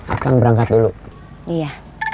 akan berangkat dulu iya